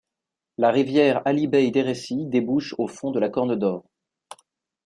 La rivière Alibey Deresi débouche au fond de la corne d'Or.